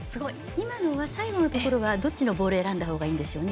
今の最後のところはどっちのボールを選んだほうがいいんでしょうね。